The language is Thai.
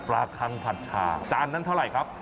คังผัดชาจานนั้นเท่าไหร่ครับ